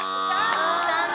残念！